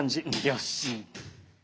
よし！